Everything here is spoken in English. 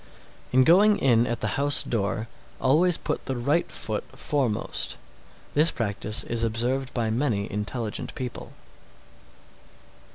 688. In going in at the house door, always put the right foot foremost. This practice is observed by many intelligent people.